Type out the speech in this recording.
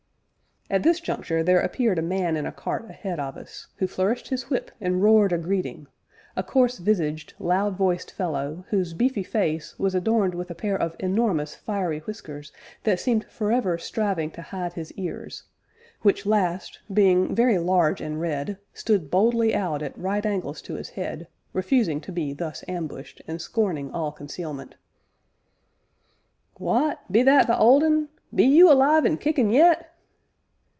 At this juncture there appeared a man in a cart, ahead of us, who flourished his whip and roared a greeting, a coarse visaged, loud voiced fellow, whose beefy face was adorned with a pair of enormous fiery whiskers that seemed forever striving to hide his ears, which last, being very large and red, stood boldly out at right angles to his head, refusing to be thus ambushed, and scorning all concealment. "W'at be that the Old Un be you alive an' kickin' yet?"